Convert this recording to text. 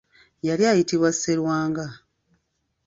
Yali ayitibwa Sserwanga .